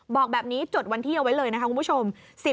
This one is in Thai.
บอกแบบนี้จดวันที่เอาไว้เลยนะคะคุณผู้ชม